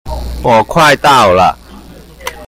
我快到了